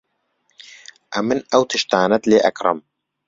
ئەمن ئەو تشتانەت لێ ئەکڕم.